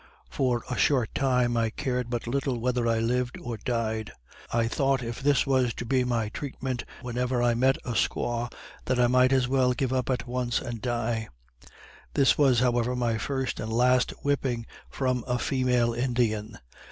For a short time I cared but little whether I lived or died, I thought if this was to be my treatment whenever I met a squaw, that I might as well give up at once and die. This was, however, my first and last whipping from a female Indian.